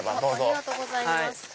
ありがとうございます。